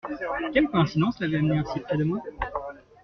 Quelle coïncidence l’avait amenée ainsi près de moi?